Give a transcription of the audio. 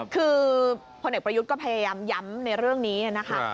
คือพลเอกประยุทธ์ก็พยายามย้ำในเรื่องนี้นะคะ